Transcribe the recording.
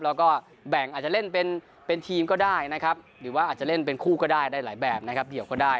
แล้วก็แบ่งอาจจะเล่นเป็นทีมก็ได้นะครับหรือว่าอาจจะเล่นเป็นคู่ก็ได้ได้หลายแบบนะครับเดี่ยวก็ได้